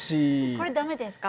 これ駄目ですか？